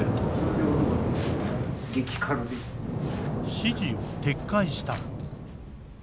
指示を撤回した。